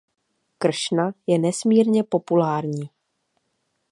Kršna je nesmírně populární.